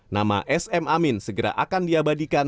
nama sm amin segera akan diabadikan